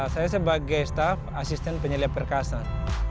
saya sebagai staff asisten penyelia perkasan